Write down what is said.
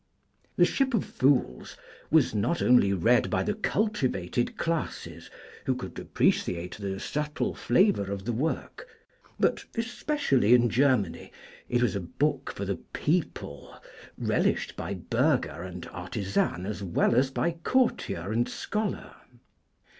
'The Ship of Fools' was not only read by the cultivated classes who could appreciate the subtle flavor of the work, but especially in Germany it was a book for the people, relished by burgher and artisan as well as by courtier and scholar.